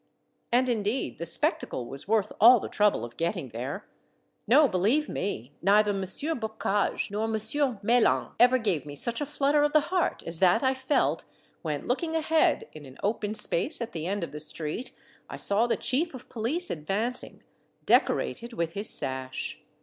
And indeed the spectacle was worth all the trouble of getting there. No, beheve me, neither Monsieur Bocage nor Monsieur MeHngue ever gave me such a flutter of the heart as that I felt when, looking ahead, in an open space at the end of the street I saw the chief of police advancing, decorated with his sash.